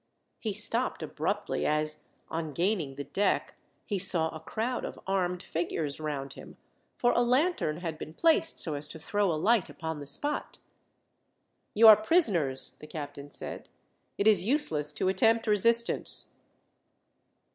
He stopped abruptly as, on gaining the deck, he saw a crowd of armed figures round him, for a lantern had been placed so as to throw a light upon the spot. "You are prisoners," the captain said. "It is useless to attempt resistance."